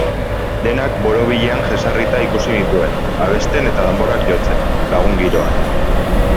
Denak borobilean jesarrita ikusi nituen, abesten eta danborrak jotzen, lagun-giroan.